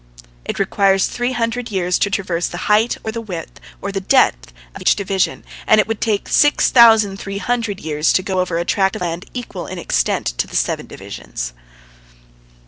It requires three hundred years to traverse the height, or the width, or the depth of each division, and it would take six thousand three hundred years to go over a tract of land equal in extent to the seven divisions.